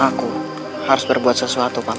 aku harus berbuat sesuatu pak